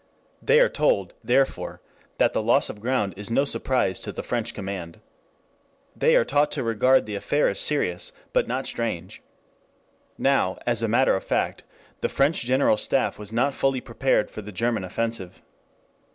They are told, therefore, that the loss of ground is no surprise to the French Command. They are taught to regard the affair as serious, but not strange. Now, as a matter of fact, the French General Staff was not fully prepared for the German offensive.